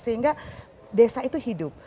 sehingga desa itu hidup